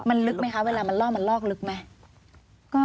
มันลึกไหมคะเวลามันลอกลึกไหม